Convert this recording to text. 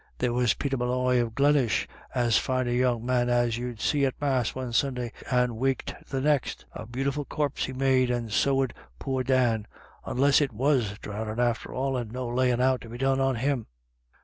There was Peter Molloy of Glenish, as fine a young man as you'd see, at Mass one Sunday, and waked the next A beautiful corp he made, and so 'ud poor Dan — onless it was dhrownin' after all, and no layin' out to be done on him."